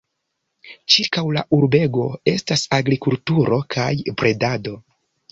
Ĉirkaŭ la urbego estas agrikulturo kaj bredado.